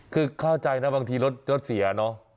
คือเข้าใจนะบางทีรถเสียเนอะ